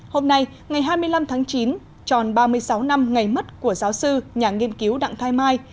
hôm nay ngày hai mươi năm tháng chín tròn ba mươi sáu năm ngày mất của giáo sư nhà nghiên cứu đặng thái mai